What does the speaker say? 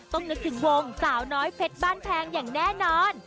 นึกถึงวงสาวน้อยเพชรบ้านแพงอย่างแน่นอน